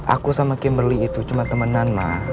aku sama kimberly itu cuma temenan ma